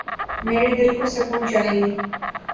میرے دل کو سکون چایئے